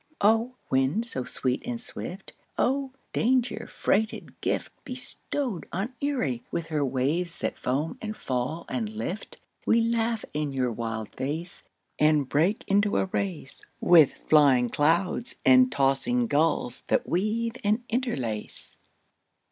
O! wind so sweet and swift, O! danger freighted gift Bestowed on Erie with her waves that foam and fall and lift, We laugh in your wild face, And break into a race With flying clouds and tossing gulls that weave and interlace.